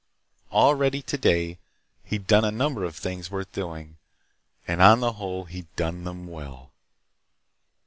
Already, today, he'd done a number of things worth doing, and on the whole he'd done them well.